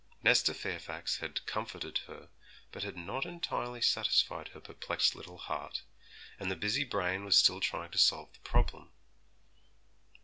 Nesta Fairfax had comforted her, but had not entirely satisfied her perplexed little heart, and the busy brain was still trying to solve the problem.